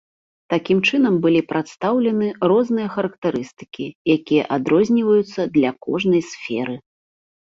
Такім чынам былі прадстаўлены розныя характарыстыкі, якія адрозніваюцца для кожнай сферы.